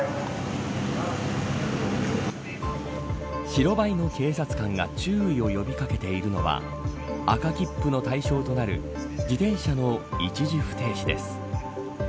白バイの警察官が注意を呼び掛けているのは赤切符の対象となる自転車の一時不停止です。